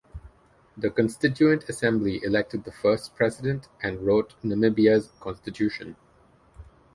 The Constituent Assembly elected the first President and wrote Namibia's constitution.